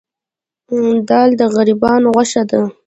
دال د غریبانو غوښه ده.